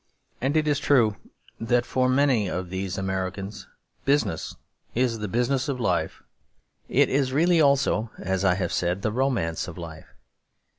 And it is true that for many of these Americans business is the business of life. It is really also, as I have said, the romance of life.